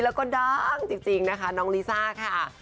แล้วก็ดังจริงนะคะน้องลิซ่าค่ะ